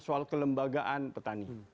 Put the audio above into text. soal kelembagaan petani